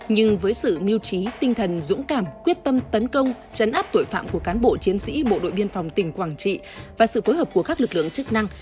nhưng với sự miêu trí tinh thần dũng cảm quyết tâm tấn công chấn áp tội phạm của cán bộ chiến sĩ bộ đội biên phòng tỉnh quảng trị và sự phối hợp của các lực lượng chức năng